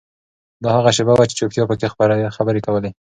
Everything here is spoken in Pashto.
دا هغه شیبه وه چې چوپتیا پکې خبرې کولې.